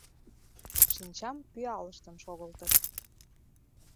Шинчам пӱалыштын шогылтыт.